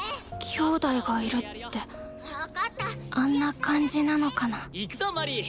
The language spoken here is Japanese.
きょうだいがいるってあんな感じなのかな行くぞマリー！